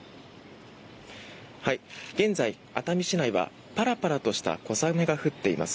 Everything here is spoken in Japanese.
現在、熱海市内はパラパラとした小雨が降っています。